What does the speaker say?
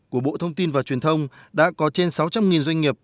của bộ thông tin và truyền thông đã có trên sáu trăm linh doanh nghiệp